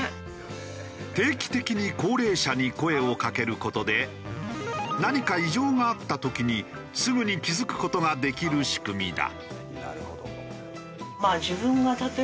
定期的に高齢者に声をかける事で何か異常があった時にすぐに気付く事ができる仕組みだ。